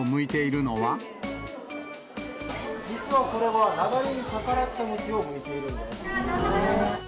実はこれは、流れに逆らった向きを向いているんです。